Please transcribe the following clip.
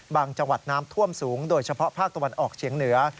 จังหวัดน้ำท่วมสูงโดยเฉพาะภาคตะวันออกเฉียงเหนือ